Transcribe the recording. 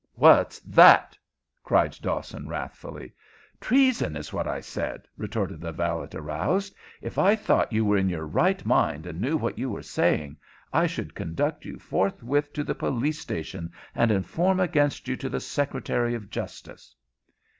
"What's that?" cried Dawson, wrathfully. "Treason is what I said," retorted the valet, aroused. "If I thought you were in your right mind and knew what you were saying, I should conduct you forthwith to the police station and inform against you to the Secretary of Justice."